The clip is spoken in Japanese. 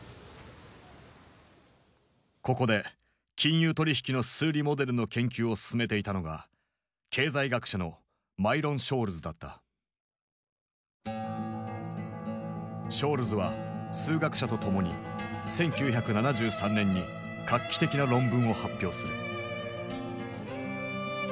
ここで金融取引の数理モデルの研究を進めていたのが経済学者のショールズは数学者と共に１９７３年に画期的な論文を発表する。